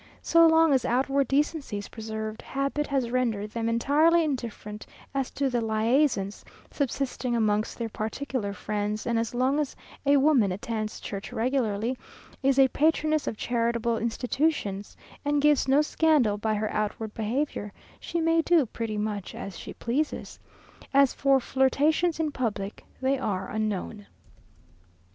So long as outward decency is preserved, habit has rendered them entirely indifferent as to the liaisons subsisting amongst their particular friends; and as long as a woman attends church regularly, is a patroness of charitable institutions, and gives no scandal by her outward behaviour, she may do pretty much as she pleases. As for flirtations in public, they are unknown.